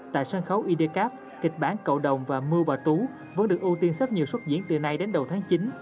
tại sân khấu idcap kịch bản cậu đồng và mưa bà tú vẫn được ưu tiên rất nhiều xuất diễn từ nay đến đầu tháng chín